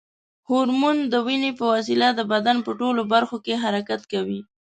هورمون د وینې په وسیله د بدن ټولو برخو کې حرکت کوي.